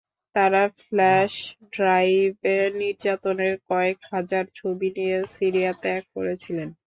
তাঁরা ফ্ল্যাশ ড্রাইভে নির্যাতনের কয়েক হাজার ছবি নিয়ে সিরিয়া ত্যাগ করেছিলেন।